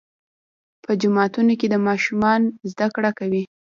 په جوماتونو کې ماشومان زده کړه کوي.